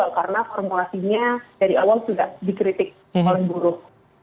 karena formulasinya dari awal sudah dikritik oleh buruh